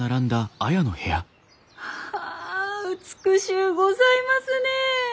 あ美しゅうございますねえ！